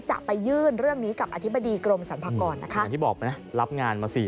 จะไปยื่นเรื่องนี้กับอธิบดีกรมสัมภากร